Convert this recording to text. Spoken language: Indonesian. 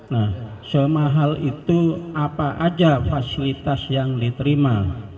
nah semahal itu apa aja fasilitas yang diterima